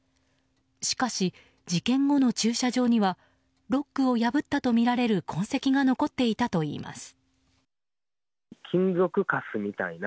しかし、事件後の駐車場にはロックを破ったとみられる痕跡が残っていたといいます。